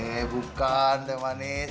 eh bukan teh manis